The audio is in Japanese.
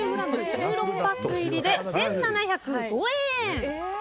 １６パック入りで１７０５円。